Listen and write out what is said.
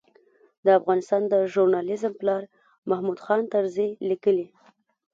د افغانستان د ژورنالېزم پلار محمود خان طرزي لیکي.